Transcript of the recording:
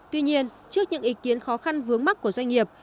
tuy nhiên trước những ý kiến khó khăn vướng mắt của doanh nghiệp